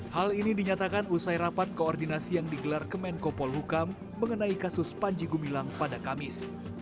hal ini dinyatakan usai rapat koordinasi yang digelar kemenkopol hukam mengenai kasus panji gumilang pada kamis